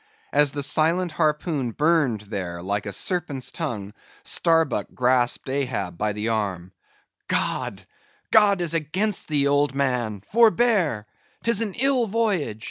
As the silent harpoon burned there like a serpent's tongue, Starbuck grasped Ahab by the arm—"God, God is against thee, old man; forbear! 'tis an ill voyage!